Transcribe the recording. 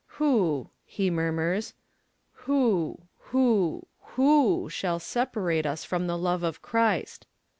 'Who,' he murmurs, '_who who who shall separate us from the love of Christ?